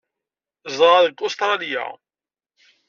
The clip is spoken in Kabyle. Zedɣeɣ deg Ustṛalya.